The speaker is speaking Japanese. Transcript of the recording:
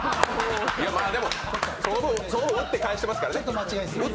でも、ちょうど打って返してますからね。